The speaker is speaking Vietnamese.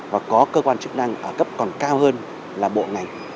và có cơ quan chức năng ở cấp còn cao hơn là bộ ngành